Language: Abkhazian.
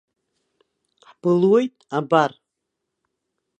Ҳбылуеит, абар.